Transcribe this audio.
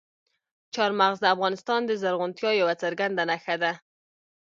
چار مغز د افغانستان د زرغونتیا یوه څرګنده نښه ده.